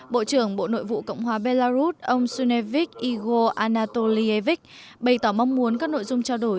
bộ trưởng bộ nội vụ cộng hòa belarus ông sunevic igor anatolievic bày tỏ mong muốn các nội dung trao đổi